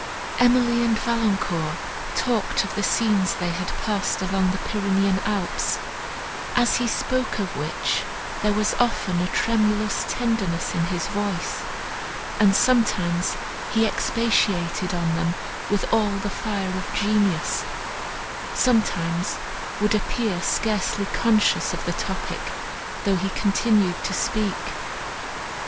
Emily and Valancourt talked of the scenes they had passed among the Pyrenean Alps; as he spoke of which there was often a tremulous tenderness in his voice, and sometimes he expatiated on them with all the fire of genius, sometimes would appear scarcely conscious of the topic, though he continued to speak.